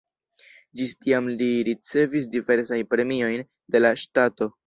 Ĝis tiam li ricevis diversajn premiojn de la ŝtato.